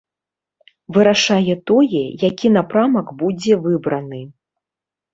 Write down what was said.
Вырашае тое, які напрамак будзе выбраны.